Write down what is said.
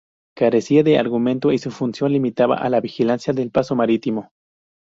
Carecía de armamento y su función se limitaba a la vigilancia del paso marítimo.